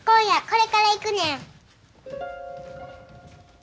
これから行くねん。